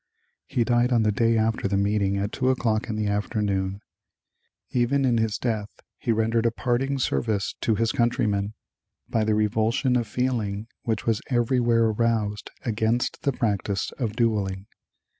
He died on the day after the meeting at two o'clock in the afternoon. Even in his death he rendered a parting service to his countrymen, by the revulsion of feeling which was everywhere aroused against the practice of dueling.